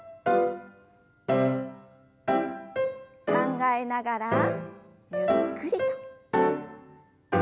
考えながらゆっくりと。